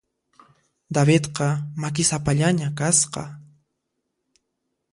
Davidqa makisapallaña kasqa.